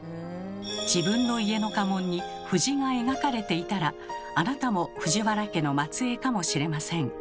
自分の家の家紋に藤が描かれていたらあなたも藤原家の末えいかもしれません。